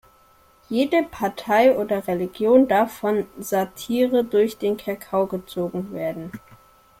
Jede Partei oder Religion darf von Satire durch den Kakao gezogen werden.